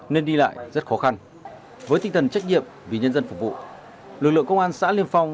nên đi lại rất khó khăn với tinh thần trách nhiệm vì nhân dân phục vụ lực lượng công an xã liên phong